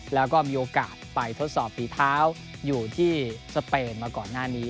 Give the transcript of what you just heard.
แล้วก็มีโอกาสไปทดสอบฝีเท้าอยู่ที่สเปนมาก่อนหน้านี้